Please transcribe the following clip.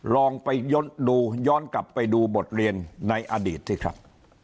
ลองไปดูย้อนกลับไปดูบทเรียนในอดีตสิครับ